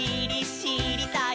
しりたい！